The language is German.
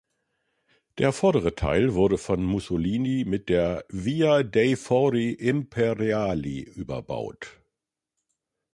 Der vordere Teil wurde von Mussolini mit der Via dei Fori Imperiali überbaut.